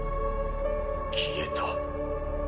消えた。